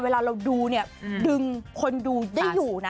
เวลาเราดูเนี่ยดึงคนดูได้อยู่นะ